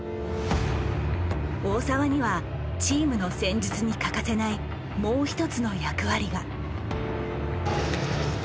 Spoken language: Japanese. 大澤にはチームの戦術に欠かせないもう一つの役割が。